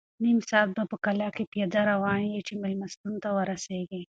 نیم ساعت به په کلا کې پیاده روان یې چې مېلمستون ته ورسېږې.